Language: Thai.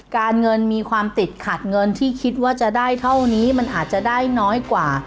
การเงินมีความติดขัดเงินที่คิดว่าจะได้เท่านี้มันอาจจะได้น้อยกว่า